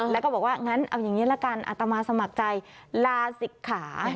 แล้วก็บอกว่างั้นเอาอย่างนี้ละกันอัตมาสมัครใจลาศิกขา